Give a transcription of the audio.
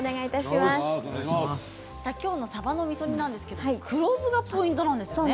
きょうのさばのみそ煮黒酢がポイントなんですね。